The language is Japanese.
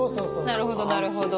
なるほどなるほど。